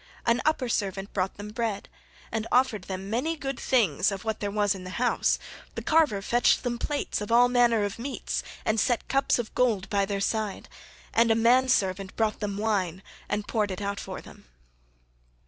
An upper servant brought them bread, and offered them many good things of what there was in the house, the carver fetched them plates of all manner of meats and set cups of gold by their side, and a manservant brought them wine and poured it out for them.